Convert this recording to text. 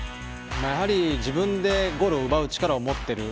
やはり自分でゴールを奪う力を持っている